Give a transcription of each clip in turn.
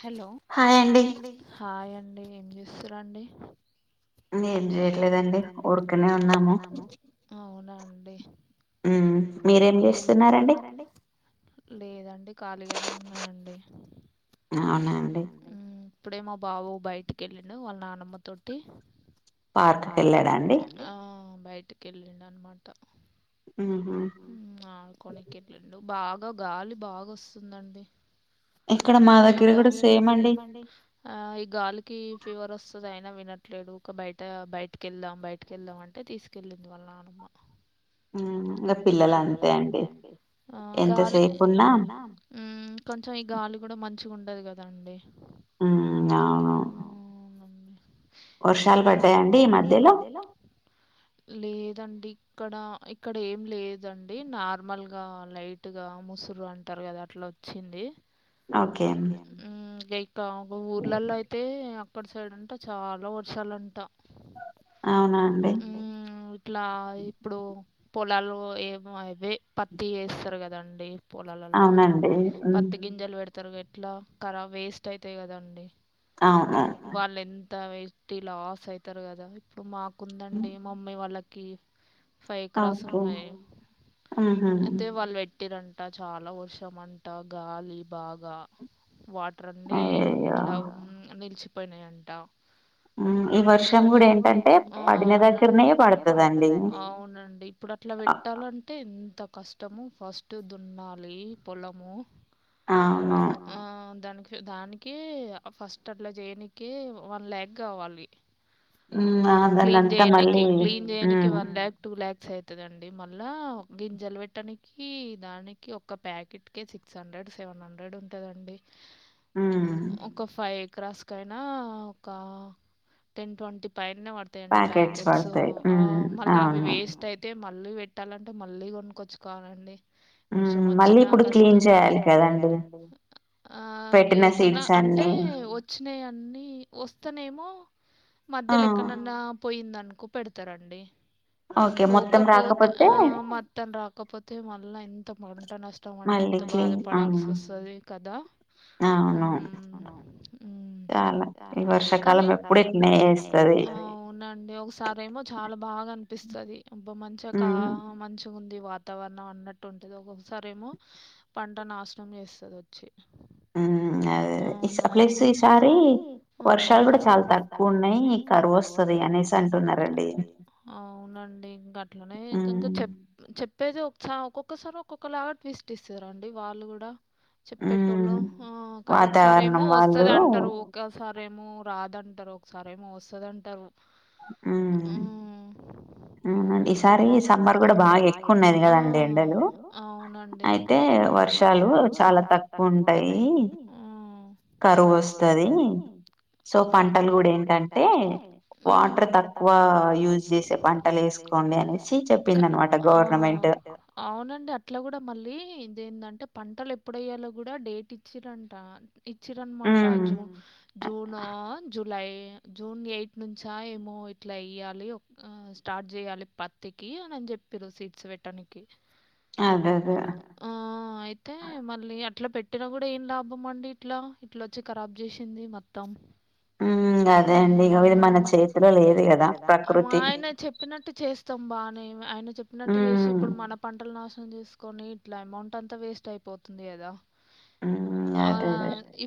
Hello hi అండి ఏం చేస్తురండి ఏం చేయట్లేదండి ఊరకనే ఉన్నాము అవునండి ఉమ్ మీరేం చేస్తున్నారండి లేదండి ఖాళీగానే ఉన్నానండి ఊ ఇప్పుడే మా బాబు బయటికెళ్ళిండు వాళ్ళ నానమ్మ తోటి ఆ బయటికెళ్ళిండు అనమాట ఉమ్ ఆడుకోనీకి ఎళ్ళిండు బాగా గాలి బాగొస్తుందండి ఇక్కడ మా దగ్గర కూడా సేమ్ అండి అండి ఆ ఈ గాలికి ఫీవర్ వస్తుది అయినా వినట్లేడు ఊక బయ ట బయటికెళ్దాం బయటికెళ్దాం అంటే తీసుకెళ్ళింది వాళ్ళ నానమ్మ ఆ గాలి ఊ కొంచెం ఈ గాలి కూడా మంచిగా ఉండదు కదండి ఊ అవును వర్షాలు పడ్డాయా అండి ఈ మధ్యలో లేదండి ఇక్కడ ఇక్కడ ఏం లేదండి నార్మల్ గా లై ట్టుగా ముసురు అంటారు కదా అట్లొచ్చింది ఉమ్ ఏ ఇక ఊర్లలో అయితే పడు సైడ్ అంటే చాలా వర్షాలు అంటా ఉమ్ ట్లా ఇప్పుడు పొలాలు ఏమో అవే పత్తి ఏస్తరు కదండి పొలాలల్లా పత్తి గింజలు పెడతారుగా ఎట్లా కరా వేస్ట్ అయితాయి కదండి వాళ్ళు ఎంత వెట్టి లాస్ అయితారు కదా ఇప్పుడు మాకుందండి మమ్యా వాళ్లకి ఫైవ్ ఎక్రాస్ ఉన్నాయి అదే వాళ్ళు పె ట్టిరంట చాలా వర్షం అంట గాలి బాగా వాటర్ అన్ని ఇట్లా నిలిచిపోయినాయంట ఈ వర్షం కూడా ఏంటంటే పండిన దగ్గరనే పడుతుందండి అవునండి ఇప్పుడు అట్లా పెట్టాలంటే ఎంత కష్టము ఫస్ట్ దున్నాలి పొలము హ్మ్ అవును ఆ దానికి దానికి ఫస్ట్ అట్లా చేయనీకి వన్ ల్యాక్ కావాలి క్లీీన్ చెయ్యనీకి క్లీీన్ చేయనీకి వన్ ల్యాక్ టూ ల్యాక్స్ అయితాదండి మళ్ళా గింజలు పెట్టడానికి దానికి ఒక ప్యాకెట్‌కే six hundred seven hundred ఉంటదండి ఒక ఫైవ్ ఎక్రాస్ కైనా ఒక టెన్ ట్వంటీ పైననే పడతాయిడి ప్యాకెట్స్ ఆ మళ్ళా అవి వేస్ట్ అయి తే మళ్ళీ పెట్టాలంటే మళ్ళీ కొనుక్కొచ్చుకోవాలండి వర్షం వచ్ఛినా కష్టం ఆ లేకున్నా అంటే వచ్చినయి అన్ని వస్తానేమో మధ్యలో ఎక్కడ్నన్న పోయిందనుకో పెడతారండి పోకపోతే ఆ మత్తం రాకపోతే మళ్ళా ఎంత పంట న ష్టం అండి ఎంత బాధపడాల్సి వస్తది కదా ఉమ్ ఉమ్మ్ కానీ అవునండి ఒకసారి ఏమో చాలా బాగా అనిపిస్తాది అబ్బ మంచిగా కా మంచి గుంది వాతావరణం అన్నట్టు ఉంటది ఒక్కొక్కసారి ఏమో పంట నాశనం చేస్తది వ చ్చి ప్లస్ ఈసారి వర్షాలు కూడా చాలా తక్కువ ఉన్నాయి కరువు వస్తది అనేసి అంటున్నారండి అవునండి ఇంగ అట్లనే నిజంగా చెప్ చెప్పేది ఒకసా ఒక్కొక్కసారి ఒక్కొక్క లాగా ట్విస్ట్ ఇస్తారు అండి వాళ్ళు కూడా చెప్పేటోళ్ళు ఆ కదా ఒకసారి ఏమో వస్తది అంటారు ఒకసారి ఏమో రాదం టారు ఒకసారి ఏమో వస్తది అంటారు ఉమ్మ్ అవుండి ఈసారి సమ్మర్ కూడా బాగా ఎక్కువన్నాది కదండి ఎండలు అయి తే వర్షాలు చాలా తక్కువుంటాయి కరువు వస్తది సో పంటలు కూడా ఏంటంటే వాటర్ తక్కువ యూజ్ చేసే పం పంటలు ఏసుకోండి అనేసి చెప్పింది అనమాట గవర్నమెంట్ అవునండి అట్లా కూడా మళ్ళీ ఇదేంటంటే పంటలు ఎప్పుడేయ్యాలో కూడా డేట్ ఇచ్చిరంట ఇచ్చిర్రనమాట జూ జూనొ జులై జూన్ ఎయిట్ నుంచా ఏమో ఇట్లా ఎయ్యాలి స్టార్ట్ చేయాలి ప త్తికి అనని చెప్పిరు సీడ్స్ పెట్టనికి ఆ అయితే మళ్ళీ అట్లా పెట్టినా కూడా ఏం లాభం అండి ఇట్లా ఇట్లచ్చి ఖరాబ్ చేసింది మొత్తం ఉమ్మ్ అదే అండి ఇంగ ఇది మన చేతిలో లేదు కదా, మా ఆయన చె ప్పినట్టు చేస్తాం బానే ఆయన చెప్పినట్టు చేసి ఇప్పుడు మన పంటలు నాశనం చేసు కొని ఇట్లా అమౌంట్ అంతా వేస్ట్ అయిపోతుంది కదా ఆ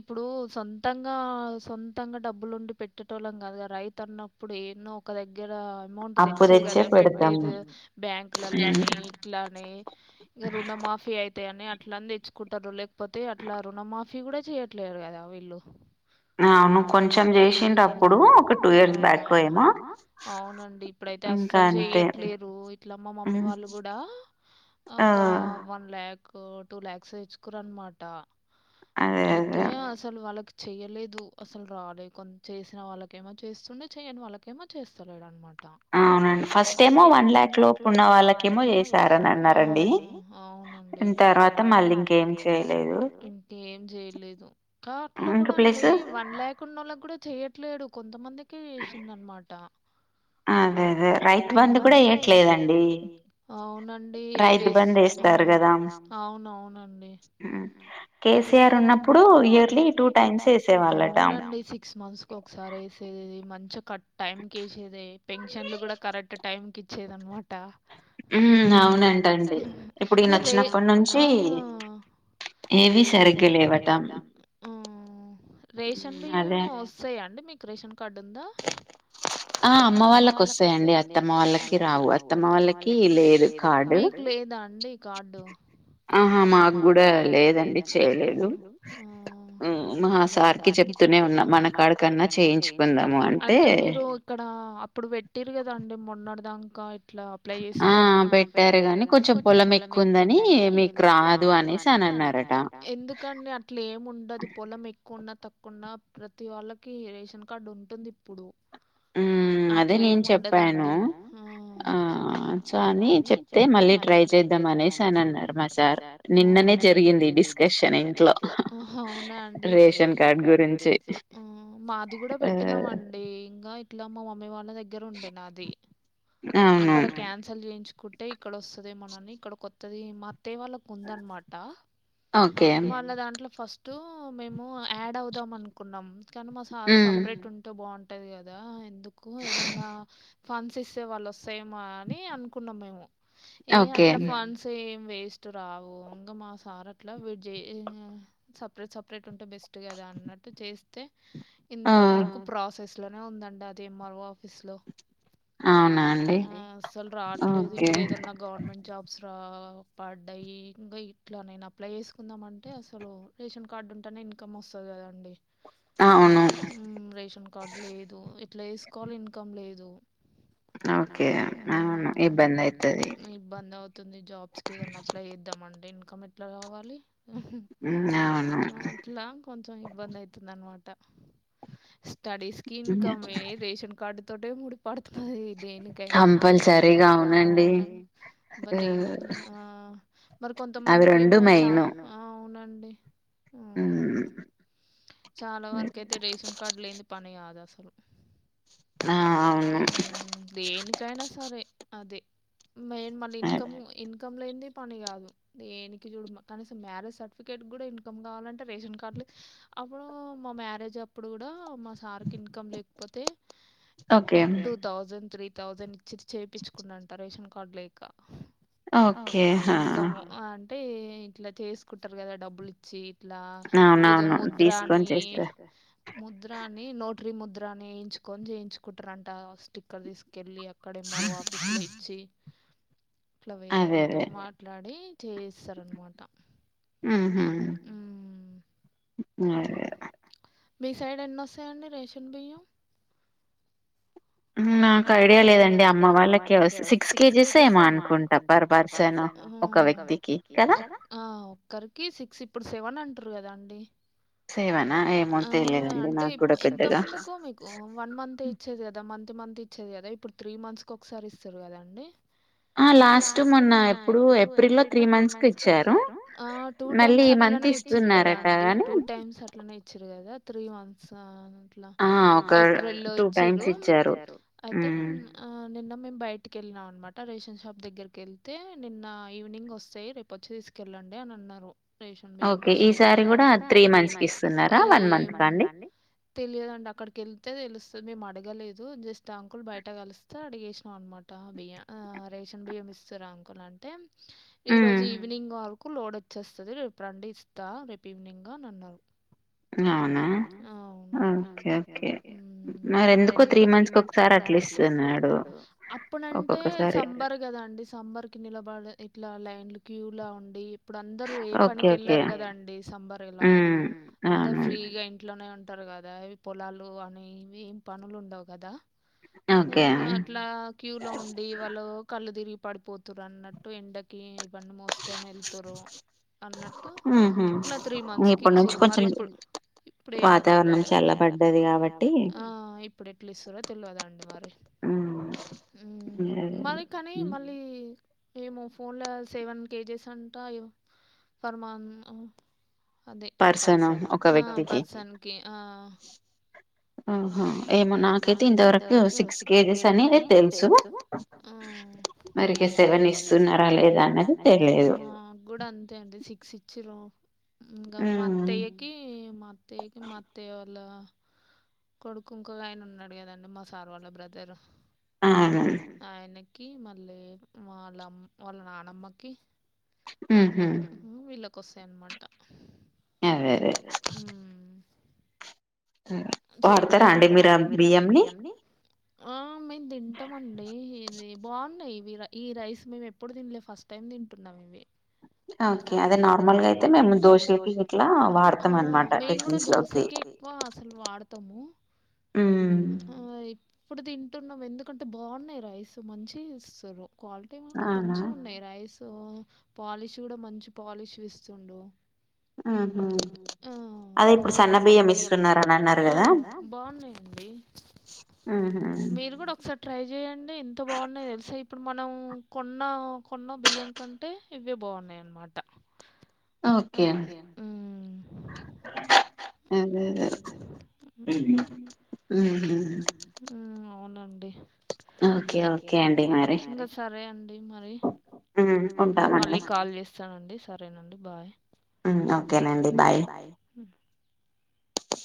ఇప్పుడు సొంతంగా సొంతంగా డబ్బులుండి పెట్టేటోళ్ళం కాదుగా రైతు అన్నప్పుడు ఎడ్నో ఒక దగ్గర అమౌంట్ తెచ్చే కదా పెట్టేది, బ్యాంకులలో అని అట్లనీ ఈ రుణమాఫీ అయితయని అట్లా తెచ్చుకుంటరు లేకపోతే అట్లా రుణమాఫీ గుడ చెయ ట్లేలేరు కదా వీళ్ళు అవును కొం కొంచం లేచిటప్పుడు ఒక టూ ఇయర్స్ బ్యాకో ఏమో టె అస్సలు చెయ్యట్లేదు, ఇట్లా మా మమ్మీ వాళ్ళు గుడా ఒక వన్ ల్యాక్ టూ లాక్స్ తెచ్చుకుర్రనమాట, అయితే అసలు వాళ్ళకి చెయలేదు అసలు రావ్ లే కొన్ చేసిన వాళ్ళకేమో చేస్తుండే, చేయని వాళ్ళకేమో చేస్తలేడు అనమాట అవునండి ఫస్ట్ ఏమో వన్ ల్యాక్ లోపు ఉన్న వాళ్ళకేమో చేసారని అన్నారండి. తర్వాత మళ్ళీ ఇంకేం చేయలేదు కా అట్ల గుడ అండి లాక్ ఉన్నొలకు కూడ చేయట్లేడు కొంతమందికి చేసిండనమాట అదే అదే రైతు బందు కూడా ఏయట్లేదండి, రైతు బందు ఏస్తారు కదా. అవునవునండి కేసీఆర్ ఉన్నప్పుడు ఇయర్లీ టూ టైమ్స్ ఏసే వాళ్ళండి. అవునండి సిక్స్ మంత్స్ కొకసారి ఏసేదిది మంచిగా కట్ టైం కి ఏసేదే పెన్షన్లు గుడ కరెక్ట్ టైమ్ కి ఇచ్చేదనమాట ఉమ్ అవునంట [unintelligible] అచ్చినప్పటి నుంచి ఏవి సరిగ్గా లేవట రేషన్ బియ్యం వస్తాయా అండి మీకు? రేషన్ కార్డు ఉందా? ఆ అమ్మ వాళ్ళకి వస్తయండి, అత్తమ్మ వాళ్ళకి రావు అత్తమ్మ వాళ్ళక్ మీకు లేదా అండి కార్డు? ఆహ మాకు కూడా లేదండి, చేయలేదు ఉమ్ మా స వారికి చెప్తూనే ఉన్నా మన కాడ కన్నా చేయించుకుందాము అంటే ఇక్కడ అప్పుడు పెట్టిర్రు కదాండి మొన్నటి దాంకా ఆ పెట్టారు గని కొంచెం పొలం ఎక్కువ ఉందని మీకు రాదు అని ఎందుకండి అట్ల ఏం ఉండదు పొలమెక్కున్న తక్ కున్న ప్రతి వాళ్ళకి రేషన్ కార్డు ఉంటుంది ఇప్పుడు అట్లా ఏం ఉండదండి ఆ సో అని చెప్తే మళ్ళీ ట్రై చేద్దాం అనేసి అని అన్నారు మా సార్. నిన్ననే జరిగింది ఈ డిస్కషన్ ఇంట్లో ఆ మాది గుడ పెట్టినమండి ఇంగా ఇట్లా మా మమ్మీ వాళ్ళ ద దగ్గరా ఉండే నాది అక్కడ కాన్ సలు చేయించుకుంటే ఇక్కడ వస్తదేమోనని ఇక్కడ కొత్తది మా అత్తయ్య వాళ్ళక్ ఉందనమాట వాళ్ళ దాంట్లో ఫస్టు మేము యాడ్ అవుదాం అనుకు కున్నాం కానీ మా సారు సపరేట్ ఉంటే బాగుంటది కదా, ఎందుకు ఏదన్నా ఫండ్స్ ఇస్తే వాళ్ళు వస్తయేమో అని అనుకున్నాం మేము, ఏ అట్లా ఫండ్స్ సేమ్ వేస్ట్ రావు, ఇంకా మా సార్ అట్ల వేడ్ చే సపరేట్ సపరేట్ ఉంటే బెస్ట్ కదా అన్నట్టు చేస్తే, ఇంతవరకు ప్రాసెస్ ఇట్లనే ఉందంట అది ఎం ఆర్ ఓ ఆఫీస్ లో ఆ అస్సలు రావట్లేదు ఇప్పుడు ఏదన్నా గవర్నమెంట్ జాబ్స్ రా పడ్డాయి, ఇంగా ఇట్లనే నేన అప్లై చేసుకుందామంటే అసలు రేషన్ కార్డు ఉంటేనే ఇన్కమ్ వస్తది కదండి. ఆ అవును కార్డు లేదు ఎట్లా ఏసుకోవాలి ఇన్కం లేదు ఉమ్మ్ ఇబ్బంది అవుతుంది జాబ్స్‌కి ఏదన్నా అప్లై చేద్దామంటే ఇన్కమ్ ఎట్లా కావాలి ఉమ్మ్ అవును ఇట్లా కొంచెం ఇబ్బంది అయితుంది అనమాట స్టడీస్‌కి ఇన్కమే రేషన్ కార్డు తోటే ముడిపడుతున్నాది దేనికైనా కంపల్సరిగా అవునండి మరి కొంతమందికేమో చా ఆ అవునండి ఉమ్ చాలా వరకు అయితే రేషన్ కార్డు లేన్దే పని కాదు అసలు ఉమ్ దేని కైనా సరే అదే మెయిన్ మళ్ళీ ఇన్కమ్ ఇన్ కామ్ లేనిదే పని కాదు దేనికి చూడు కనీసం మ్యారేజ్ సర్టిఫికేట్ కూడా ఇన్కమ్ కావాలం టే రేషన్ కార్డులు అప్పుడు మా మ్యారేజ్ అప్పుడు కూడా మా సార్ కి ఇన్కమ్ లేకపోతే టూ థౌసండ్ త్రీ థౌసండ్ ఇచ్చి చేపిచుకున్నంట రేషన్ కార్డు లేక ఇన్కమ్ అంటే ఇట్లా చేసుకుంటారు కదా డబ్బులు ఇచ్చి ఇట్లా ఏదో ముద్రాని ముద్రా అని నోట్రీ ముద్రని ఎయించుకొని చేయించుకుంటారంట స్టిక్కర్ తీసుకెళ్ళి అ క్కడ ఎమ్మార్వో ఆఫీస్‌లో ఇచ్చి అట్లా వేరే వాళ్ళతోటి మాట్లాడి చే సారు అనమాట ఉమ్మ్ అదే మీ సైడ్ ఎన్నొసాయండి రేషన్ బియ్యం నాకు ఐడియా లేదండి అమ్మ వాళ్ళకి సిక్స్ కేజీస్ ఏమో అనుకుంటా పర్ పర్ పర్సన్ ఒక వ్యక్తికి కదా ఆ ఒక్కరికి సిక్స్ ఇప్పుడు సెవెన్ అంటుర్రు కదండి ఆ అంటే ఇంతముందుకు మీ కు వన్ మంత్ ఇచ్చేది కదా మంత్ మంత్ ఇచ్చేది కదా ఇప్పుడు త్రీ మంత్స్‌కి ఒకసారి ఇస్తుర్రు కదా అండి ఆ లాస్ట్ మొన్న ఎప్పుడు ఏప్రిల్‌ లో త్రీ మంత్స్‌కు ఇచ్చారు, ఆ టూ టైమ్ అ ట్లనే ఇచ్చిర్రు కదా అండి టూ టైమ్స్ అట్లనే ఇచ్చిరు కదా త్రీ మంత్స్ అ ట్ల ఏప్రిల్లో ఇచ్చిరు అయితే ఆ నిన్న మేము బయటకి ఎళ్ళినాం అనమాట రేషన్ షాప్ దగ్గరకి ఎళ్తే నిన్న ఈవినింగ్ వస్తాయి రేపు వచ్చి తీసుకెళ్ళండి అని అన్నారు రేషన్ బియ్యం వచ్చినాయి, ఓకే ఈ సారి కూడా త్రీ మంత్స్‌కి ఇస్తునారా వన్ మంత్‌కా అండి తెలియదండి అక్కడికి ఎళ్తే తెలుస్తాద. మేము అడగలేదు జస్ట్ అంకుల్ బయట కలిస్తే అడిగేసినాం అనమా ట బియ్య ఆ రేషన్ బియ్యం ఇస్తుర్రా అంకుల్ అంటే ఈరోజు ఈవినింగ్ వరకు లోడ్ వచ్చేస్తది రేపు రండి ఇస్తా రేపు ఈవినింగ్ అని అన్నారు అవునా ఓకే ఓకే మరి ఎందుకో త్రీ మంత్స్ కి ఒకసారి అట్లా ఇస్తున్నాడు, అప్పుడంటే సంబర్ కదండి సమ్మర్‌కి నిలబడే ఇట్లా లైన్లు క్యూలా ఉండి అప్పుడు అందరూ ఏ పనికి ఎళ్ళారు కదాండి సంబరులా ఇగ ఇంట్లోనే ఉంటారు కదా ఇవి పొలాలు అని ఇవేం పనులు ఉండవు కదా ఆ అట్లా క్యూ లో ఉంది. ఇ వాళ కళ్ళు తిరిగి పడిపోతుారు అన్నట్టు ఎండకి ఇవన్న మోసు తను వెళ్తారు అన్నట్టు నా త్రీ మంత్స్ కీ ఇచ్చరు మరి ఇప్పుడు ఇప్పుడేమో తెరవదండి, ఆ ఇప్పుడు ఎట్లా ఇస్తారో తెలివదు అండ మరి ఉం అదే మనకి కానీ మళ్ళీ ఏమో ఫోన్ల సెవెన్ కేజెస్ అంటా అయో ఫర్మాన్ అదే పర్సన్ కి ఆ ఆహా ఏమో నాకైతే ఇంతవరకు సిక్స్ కేజీస్ అని తెలుసు. ఆ మరికే సేవన్ ని ఇస్తున్నారా లేదా అన్నది తెలియదు. శిచ్చోరు ఇంకా మాత్తయకి మాత్తయకి మా అత్తయా వాళ్ళ, కొడుకు ఇంకో గా ఆయన ఉన్నాడు కదండి మా సార్ వాళ్ళ బ్రదర్, అగా ఆయనకి మళ్ళీ వాళ్ళమ్ వాళ్ళ నానమ్మకి వీళ్ళ కొస్తాయన్నమాట వాడతారా అండి మీరు ఆ బియ్యంని ఆ మేము తింటామండి ఇది బాగున్నాయి. ఈ రైస్ మేము ఎప్పుడు తిినలే ఫస్ట్ టైం తింటున్నాం ఇవి ఓకే అదే నార్మల్ గా అయితే మేము దోశలకి ఇట్లా వాడతాము. వా అసలు వాడతాము ఉ ఇప్పుడు తింటున్నాం ఎందుకంటే బాగున్నాయి రైస్ మంచి ఇస్తారు క్వాలిటీ అంటే మంచిగా ఉన్నాయి రైస్ పాలిష్ కూడా మంచి పాలిష్ ఇస్తుండు. అదే ఇప్పుడు సన్న బియ్యమిస్ ా బాగున్నాయండి మీరు కూడా ఒకసారి ట్రై చేయండి ఎంత బాగున్నాయి తెలుసా ఇప్పుడు మనం కొన్న కొన్న బియ్యంక అంటే ఇవే బాగున్నాయి అన్నమాట ఉం అదే [unintelligible] ఉం అవునండి ఇంకా సరే అండి మరి మళ్ళీ కాల్ చేస్తానండి, సరేనండి బాయ్. ఓకేనండి బాయ్